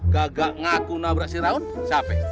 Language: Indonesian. kagak ngaku nabrak si raun siapa